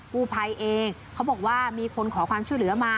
กู้ภัยเองเขาบอกว่ามีคนขอความช่วยเหลือมา